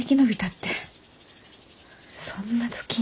そんな時に。